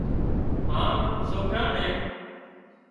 هانَ سوڪرا نين